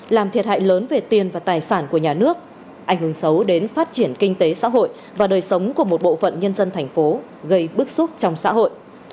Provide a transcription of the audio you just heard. làm thiệt hại lớn về tiền và tài sản của nhà nước ảnh hưởng xấu đến phát triển kinh tế xã hội và đời sống của một bộ phận nhân dân thành phố gây bức xúc trong xã hội